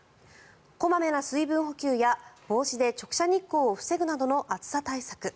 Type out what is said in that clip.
小まめな水分補給や帽子で直射日光を防ぐなどの暑さ対策